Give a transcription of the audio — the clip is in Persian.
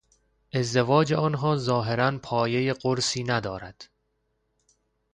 ازدواج آنها ظاهرا پایهی قرصی ندارد.